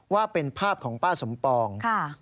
ว่าเป็นภาพของป้าสมปอง